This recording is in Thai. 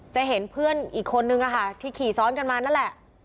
จะเห็นเพื่อนอีกคนนึงที่ขี่ซ้อนกันมานั่นแหละ